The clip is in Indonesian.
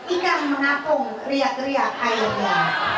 ikan mengapung riak riak airnya